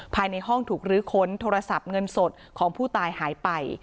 ภายในห้องถูกลื้อค้นโทรศัพท์เงินสดของผู้ตายหายไป